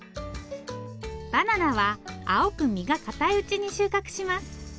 バナナは青く実がかたいうちに収穫します。